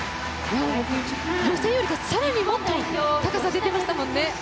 予選よりも更にもっと高さが出ていましたもんね。